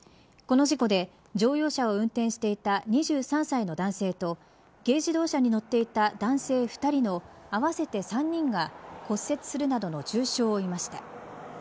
この事故で乗用車を運転していた２３歳の男性と軽自動車に乗っていた男性２人の合わせて３人が骨折するなどの重傷を負いました。